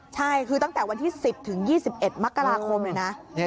ใช่คือตั้งแต่วันที่๑๐ถึง๒๑มกราคมเลยนะ